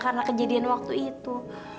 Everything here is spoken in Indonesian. karena kejadian waktu itu